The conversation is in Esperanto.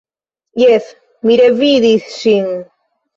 Jes, mi revidis ŝin.